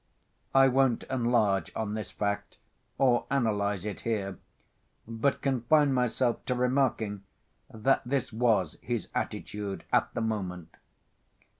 I won't enlarge on this fact or analyze it here, but confine myself to remarking that this was his attitude at the moment.